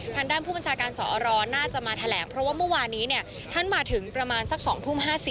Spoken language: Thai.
ทางด้านผู้บัญชาการสอรน่าจะมาแถลงเพราะว่าเมื่อวานนี้ท่านมาถึงประมาณสัก๒ทุ่ม๕๐